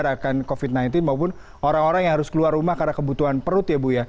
akan covid sembilan belas maupun orang orang yang harus keluar rumah karena kebutuhan perut ya bu ya